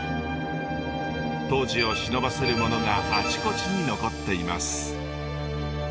当時をしのばせるものがあちこちに残っています。